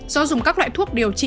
do dùng các loại thuốc điều trị